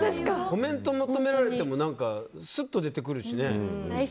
コメント求められてもすっと出てくるしね。